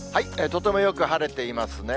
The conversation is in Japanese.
とてもよく晴れていますね。